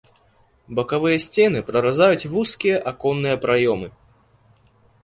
Бакавыя сцены праразаюць вузкія аконныя праёмы.